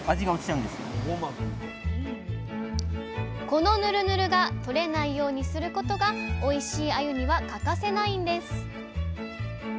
このヌルヌルがとれないようにすることがおいしいあゆには欠かせないんです！